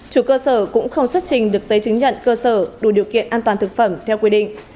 chủ cơ sở cũng không xuất trình được giấy chứng nhận cơ sở đủ điều kiện an toàn thực phẩm theo quy định